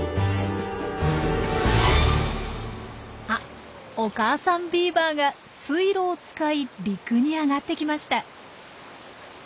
あお母さんビーバーが水路を使い陸に上がってきました。